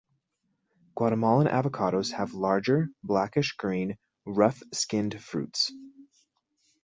Guatemalan avocados have larger, blackish-green, rough-skinned fruits.